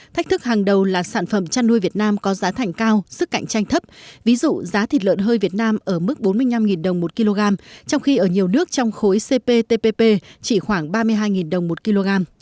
thách thức hàng đầu là sản phẩm chăn nuôi việt nam có giá thành cao sức cạnh tranh thấp ví dụ giá thịt lợn hơi việt nam ở mức bốn mươi năm đồng một kg trong khi ở nhiều nước trong khối cptpp chỉ khoảng ba mươi hai đồng một kg